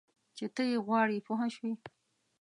چې ته یې غواړې پوه شوې!.